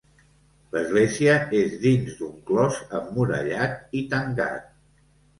L'església és dins d'un clos emmurallat i tancat.